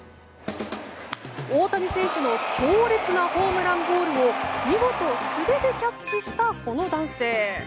大谷選手の強烈なホームランボールを見事、素手でキャッチしたこの男性。